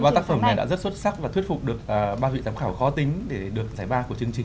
ba tác phẩm này đã rất xuất sắc và thuyết phục được ba vị giám khảo khó tính để được giải ba của chương trình